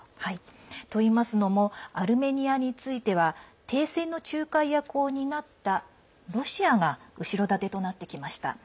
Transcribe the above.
といいますのもアルメニアについては停戦の仲介役を担ったロシアが後ろ盾となってきました。